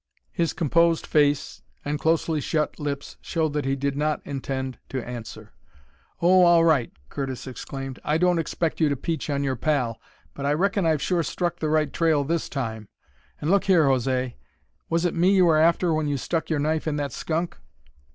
His composed face and closely shut lips showed that he did not intend to answer. "Oh, all right!" Curtis exclaimed. "I don't expect you to peach on your pal. But I reckon I've sure struck the right trail this time. And look here, José! Was it me you were after when you stuck your knife in that skunk?"